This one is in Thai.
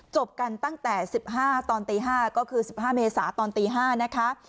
จบกันตั้งแต่สิบห้าตอนตีห้าก็คือสิบห้าเมษาตอนตีห้านะคะ